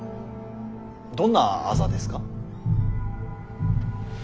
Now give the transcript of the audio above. どんな痣ですか？